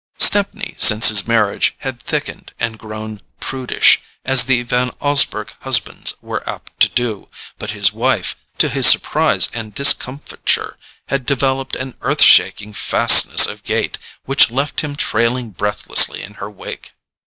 Stepney, since his marriage, had thickened and grown prudish, as the Van Osburgh husbands were apt to do; but his wife, to his surprise and discomfiture, had developed an earth shaking fastness of gait which left him trailing breathlessly in her wake.